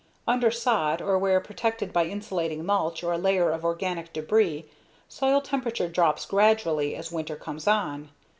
Under sod or where protected by insulating mulch or a layer of organic debris, soil temperature drops gradually as winter comes on.